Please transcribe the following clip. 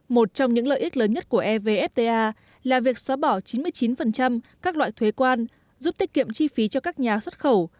một trong những lợi ích lớn nhất của evfta là việc xóa bỏ chín mươi chín các loại thuế quan giúp tiết kiệm chi phí cho các nhà xuất khẩu